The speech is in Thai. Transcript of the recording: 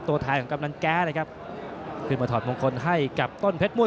ตัวแทนของกำนันแก๊เลยครับขึ้นมาถอดมงคลให้กับต้นเพชรม่ว